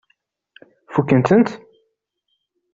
Fukkent-tent?